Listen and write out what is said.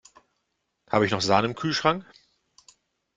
Habe ich noch Sahne im Kühlschrank?